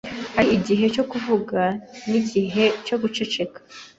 Hari igihe cyo kuvuga nigihe cyo guceceka